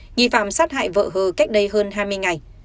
nghi phạm sát hại vợ hờ cách đây hơn hai mươi ngày